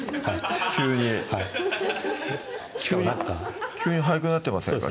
急に急に速くなってませんか？